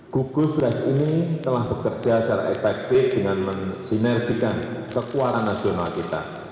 gugus tugas ini telah bekerja secara efektif dengan mensinergikan kekuatan nasional kita